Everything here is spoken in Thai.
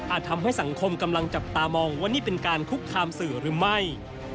ทำให้สังคมกำลังจับตามองว่านี่เป็นการคุกคามสื่อหรือไม่